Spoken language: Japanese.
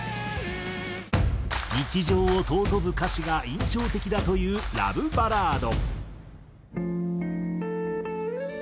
日常を尊ぶ歌詞が印象的だというラブバラード。